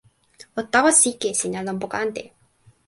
o tawa sike e sina lon poka ante.